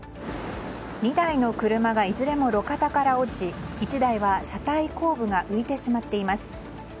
２台の車がいずれも路肩から落ち１台は車体後部が浮いてしまっています。